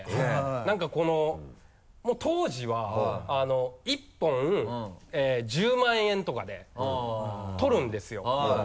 何かこの当時は１本１０万円とかで取るんですよはい。